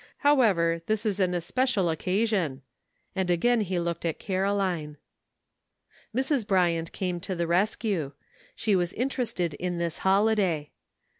However, this is an especial occasion," and again he looked at Caroline. Mrs. Bryant came to the rescue; she was interested in this holiday.